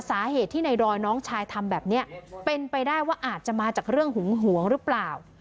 สาเหตุที่ในดอยน้องชายทำแบบนี้เป็นไปได้ว่าอาจจะมาจากเรื่องหึงหวงหรือเปล่า